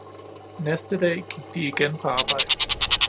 Næste dag gik de igen på arbejde